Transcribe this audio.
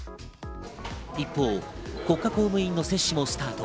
一方、国家公務員の接種もスタート。